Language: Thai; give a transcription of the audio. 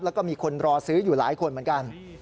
แล้วก็มีคนรอซื้ออยู่หลายคนเหมือนกัน